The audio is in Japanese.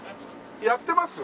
やってます？